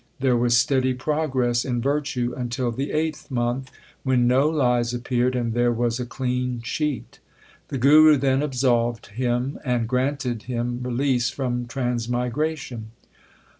There was steady pro gress in virtue until the eighth month, when no lies appeared, and there was a clean sheet. The Guru then absolved him and granted him release from transmigration.